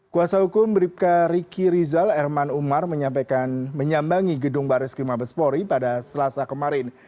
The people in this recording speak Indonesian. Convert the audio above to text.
kuasa hukum bribka riki rizal erman umar menyambangi gedung baris krim mabespori pada selasa kemarin